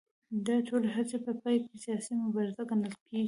دا ټولې هڅې په پای کې سیاسي مبارزه ګڼل کېږي